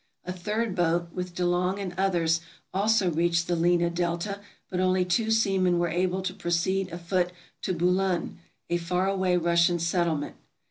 A third boat, with De Long and others, also reached the Lena delta, but only two seamen were able to proceed afoot to Bulun, a far away Russian settlement.